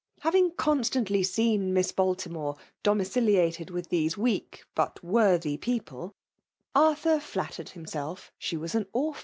Having constantly seen Miss Baltimore do miciEated widi these weak but worthy people, Arflrar flattered Imnself she was «n orphan.